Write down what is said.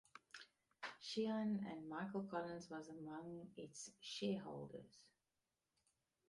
Sheehan and Michael Collins was among its shareholders.